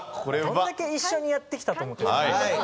どんだけ一緒にやってきたと思ってるんですか？